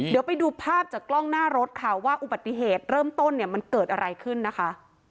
เดี๋ยวไปดูภาพจากกล้องหน้ารถค่ะว่าอุบัติเหตุเริ่มต้นเนี่ยมันเกิดอะไรขึ้นนะคะ